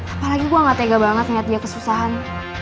apalagi gue gak tega banget ngeliat dia kesusahan